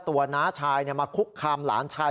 ตัวน้าชายเนี้ยมาคุกคามหลานชาย